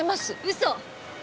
嘘！